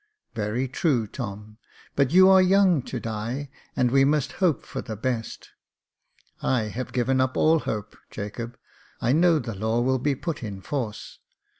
" Very true, Tom j but you are young to die, and we must hope for the best." " I have given up all hope, Jacob. I know the law will be put in force.